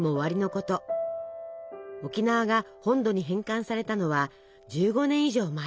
沖縄が本土に返還されたのは１５年以上前。